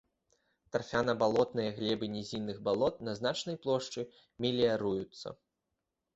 Тарфяна-балотныя глебы нізінных балот на значнай плошчы меліяруюцца.